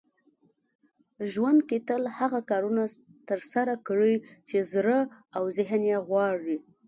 ژوند کې تل هغه کارونه ترسره کړئ چې زړه او ذهن يې غواړي .